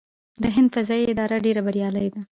د هند فضايي اداره ډیره بریالۍ ده.